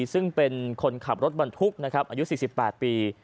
ซึ่งเป็นคนขับรถบรรทุกนะครับอายุ๔๘ปี